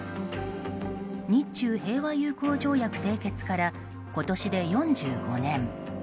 日中平和友好条約締結から今年で４５年。